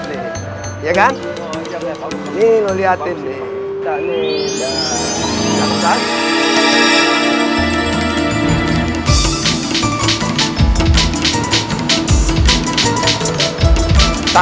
buat penjelua emang begitu